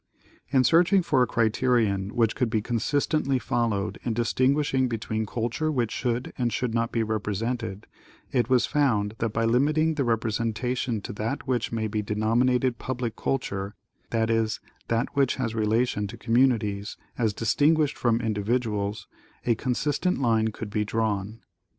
In searching for a criterion which could be consistently followed in distinguishing between culture which should and should not be represented, it was found that by limiting the representation to that which may be denominated public culture, that is, that which has relation to communities, as distinguished from individ uals, a consistent line could be drawn.